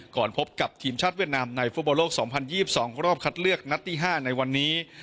พบกับทีมชาติเวียดนามในฟุตบอลโลก๒๐๒๒รอบคัดเลือกนัดที่๕ในวันนี้